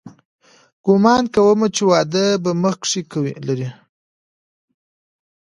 ګومان کوم چې واده په مخ کښې لري.